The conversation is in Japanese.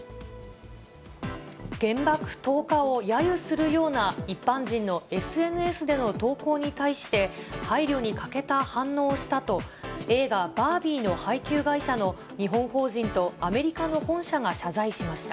原爆投下をやゆするような一般人のＳＮＳでの投稿に対して、配慮に欠けた反応をしたと、映画、バービーの配給会社の日本法人とアメリカの本社が謝罪しました。